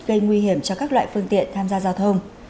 gây nguy hiểm cho các loại phương tiện tham gia giao thông